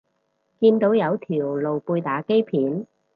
見到有條露背打機片